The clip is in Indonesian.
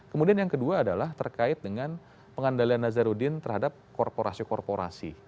kemudian yang kedua adalah terkait dengan pengandalian nazarudin terhadap korporasi korporasi